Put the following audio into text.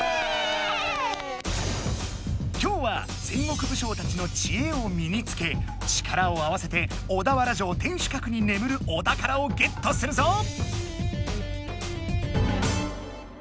今日は戦国武将たちの知恵を身につけ力を合わせて小田原城天守閣に眠るお宝をゲットするぞ！